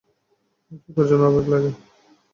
চুদার জন্য আবেগ লাগে।